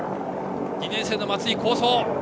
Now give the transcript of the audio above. ２年生の松井、好走。